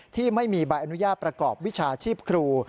ที่ไม่มีใบอนุญาตประกอบวิชาชีพครู